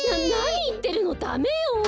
ななにいってるのダメよ！